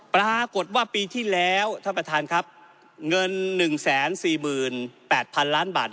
ปรากฏว่าปีที่แล้วท่านประธานครับเงินหนึ่งแสนสี่หมื่นแปดพันล้านบาท